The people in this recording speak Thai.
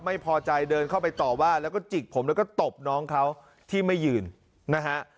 ไม่พอใจเดินเข้าไปต่อว่าแล้วก็จิกผมแล้วก็ตบน้องเขาที่ไม่ยืนนะฮะ